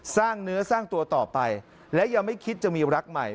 สร้างเนื้อสร้างตัวต่อไปและยังไม่คิดจะมีรักใหม่